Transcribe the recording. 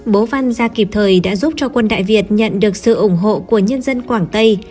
bố văn ra kịp thời đã giúp cho quân đại việt nhận được sự ủng hộ của nhân dân quảng tây